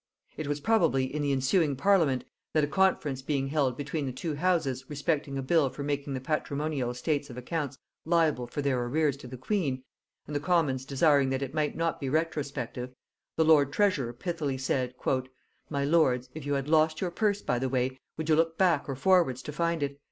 It was probably in the ensuing parliament that a conference being held between the two houses respecting a bill for making the patrimonial estates of accountants liable for their arrears to the queen, and the commons desiring that it might not be retrospective, the lord treasurer pithily said; "My lords, if you had lost your purse by the way, would you look back or forwards to find it?